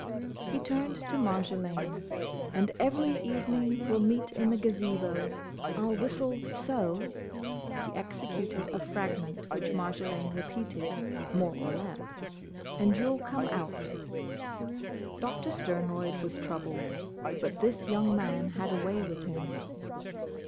He turned to Marjolaine. "And every evening we'll meet in the Gazebo. I 'll whistle so:—" he executed a fragment which Marjolaine repeated, more or less—"and you 'll come out." Doctor Sternroyd was troubled; but this young man had a way with him.